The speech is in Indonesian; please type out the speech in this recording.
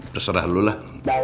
terserah lu lah